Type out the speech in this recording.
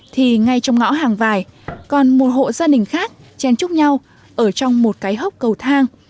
thì ngay trong ngõ hàng vài còn một hộ gia đình khác chen chúc nhau ở trong một cái hốc cầu thang